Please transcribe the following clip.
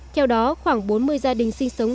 theo đó khoảng bốn mươi gia đình sinh sống